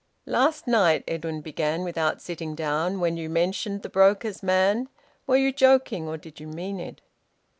"Last night," Edwin began, without sitting down, "when you mentioned the broker's man, were you joking, or did you mean it?"